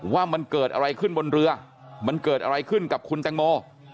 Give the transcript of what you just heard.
ว่ามันเกิดอะไรขึ้นบนเรือมันเกิดอะไรขึ้นกับคุณแตงโม